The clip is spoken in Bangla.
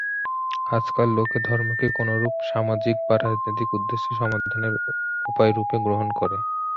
আজকাল লোকে ধর্মকে কোনরূপ সামাজিক বা রাজনৈতিক উদ্দেশ্য-সাধনের উপায়রূপে গ্রহণ করে।